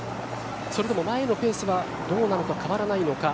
前のペースはどうなのか変わらないのか。